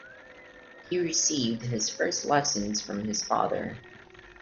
He received his first lessons from his father.